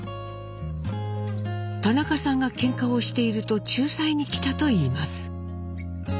田中さんがけんかをしていると仲裁に来たといいます。